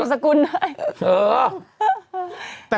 มองนำสกุลด้วย